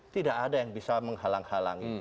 tidak ada yang bisa menghalang halangi